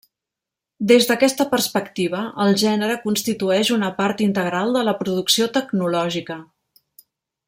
Des d’aquesta perspectiva, el gènere constitueix una part integral de la producció tecnològica.